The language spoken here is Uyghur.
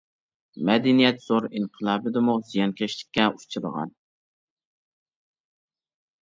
«مەدەنىيەت زور ئىنقىلابى» دىمۇ زىيانكەشلىككە ئۇچرىغان.